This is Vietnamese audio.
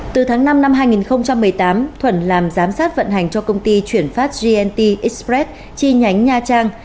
từ tháng năm năm hai nghìn một mươi tám thuận làm giám sát vận hành cho công ty chuyển phát gnt express chi nhánh nha trang